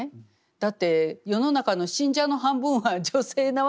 だって世の中の信者の半分は女性なわけですから。